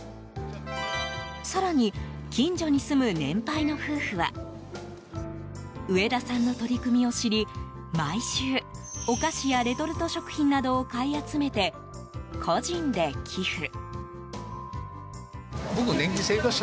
更に、近所に住む年配の夫婦は植田さんの取り組みを知り毎週、お菓子やレトルト食品などを買い集めて個人で寄付。